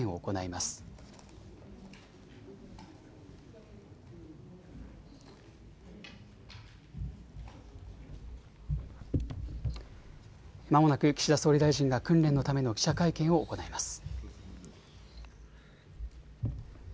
まもなく岸田総理大臣が訓練のための記者会見を行います。